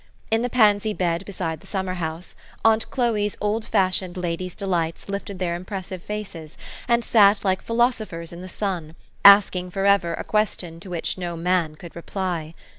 In the' pansy bed beside the summer house, aunt Chloe's old fashioned lady's delights lifted their impressive faces, and sat like philosophers in the sun, asking forever a question to which no man could reply.